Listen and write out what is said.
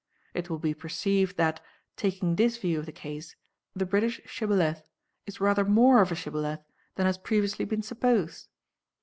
It will be perceived that, taking this view of the case, the British shibboleth is rather more of a shibboleth than has previously been supposed.